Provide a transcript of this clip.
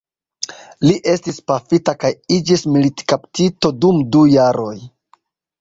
Li estis pafita kaj iĝis militkaptito dum du jaroj.